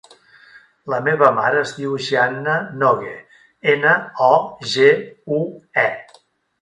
La meva mare es diu Gianna Nogue: ena, o, ge, u, e.